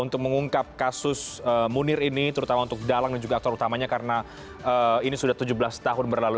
untuk mengungkap kasus munir ini terutama untuk dalang dan juga aktor utamanya karena ini sudah tujuh belas tahun berlalu